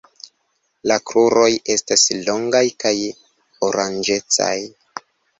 La kruroj estas longaj kaj oranĝecaj.